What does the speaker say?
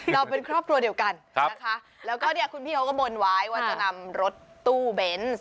เราเป็นครอบครัวเดียวกันนะคะแล้วก็เนี่ยคุณพี่เขาก็บนไว้ว่าจะนำรถตู้เบนส์